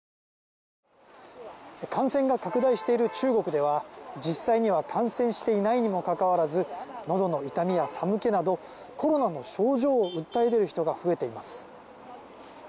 感染が拡大している中国では実際には感染していないにもかかわらずのどの痛みや寒気などコロナの症状を訴え出る人が増えています。